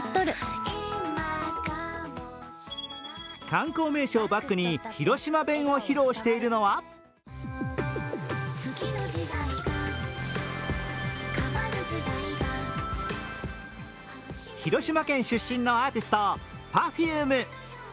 観光名所をバックに広島弁を披露しているのは広島県出身のアーティストＰｅｒｆｕｍｅ。